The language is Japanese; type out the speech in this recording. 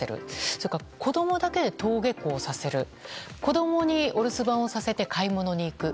それから子供だけで登下校させる子供にお留守番させて買い物に行く。